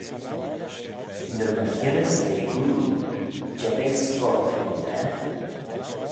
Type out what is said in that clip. Ny my hirrys eh ooh, jeb eh scorpion da?